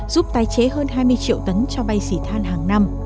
giúp tái chế hơn hai mươi triệu tấn cho bay xỉ than hàng năm